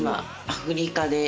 「アフリカで？」